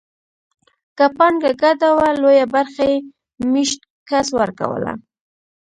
که پانګه ګډه وه لویه برخه یې مېشت کس ورکوله